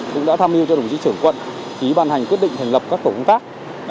cũng đã tham mưu cho đồng chí trưởng quận ký ban hành quyết định thành lập các tổ công tác